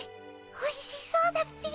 おいしそうだっピ。